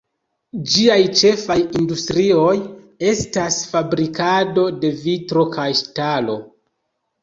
Ĝiaj ĉefaj industrioj estas fabrikado de vitro kaj ŝtalo.